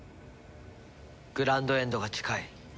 グランドエンドが近い。